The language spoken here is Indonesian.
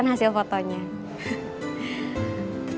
aku juga suka sama dia